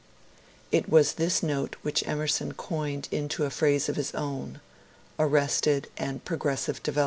It was this note which Emerson coined into a phrase of his own —" arrested and progres sive development."